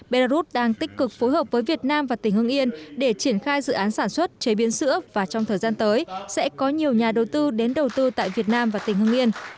belarus đang tích cực phối hợp với việt nam và tỉnh hưng yên để triển khai dự án sản xuất chế biến sữa và trong thời gian tới sẽ có nhiều nhà đầu tư đến đầu tư tại việt nam và tỉnh hưng yên